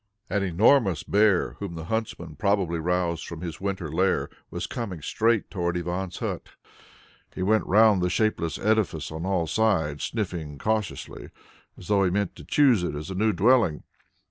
An enormous bear, whom the huntsmen had probably roused from his winter lair, was coming straight towards Ivan's hut. He went round the shapeless edifice on all sides, sniffing cautiously, as though he meant to choose it as a new dwelling.